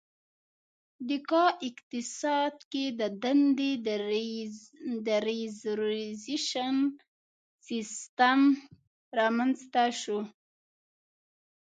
د کا اقتصاد کې د دندې د ریزروېشن سیستم رامنځته شو.